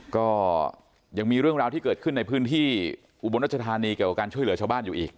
ก็ยังมีเรื่องราวที่เกิดขึ้นในพื้นที่อุบลรัชธานีเกี่ยวกับการช่วยเหลือชาวบ้านอยู่อีก